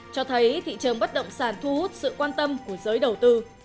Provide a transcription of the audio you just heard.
cho thấy thị trường bất động sản thu hút sự quan tâm của giới đầu tư